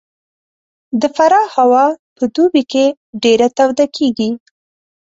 د فراه هوا په دوبي کې ډېره توده کېږي